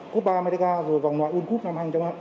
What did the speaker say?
cúp ba america rồi vòng ngoại uncub năm hai nghìn hai mươi hai